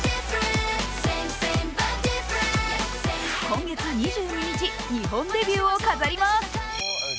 今月２２日、日本デビューを飾ります。